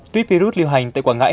tuyết virus liều hành tại quảng ngãi